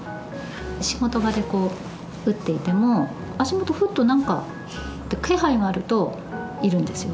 仕事場でこう打っていても足元ふっと何か気配があるといるんですよ。